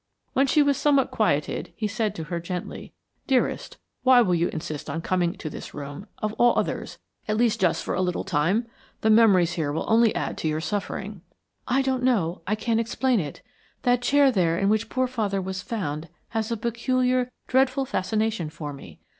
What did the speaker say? When she was somewhat quieted he said to her gently, "Dearest, why will you insist upon coming to this room, of all others, at least just for a little time? The memories here will only add to your suffering." "I don't know; I can't explain it. That chair there in which poor father was found has a peculiar, dreadful fascination for me.